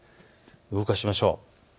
動かしましょう。